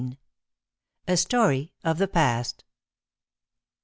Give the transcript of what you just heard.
A STORY OF THE PAST.